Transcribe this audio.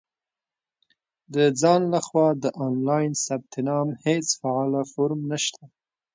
• د ځان له خوا د آنلاین ثبت نام هېڅ فعاله فورم نشته.